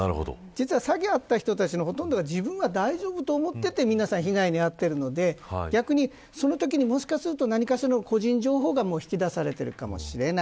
詐欺に遭った人たちは、ほとんど自分は大丈夫だと思っていて被害に遭っているので逆に、そのときに、もしかしたら個人情報が引き出されているかもしれない。